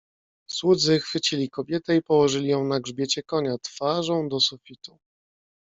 "Słudzy chwycili kobietę i położyli ją na grzbiecie konia twarzą do sufitu."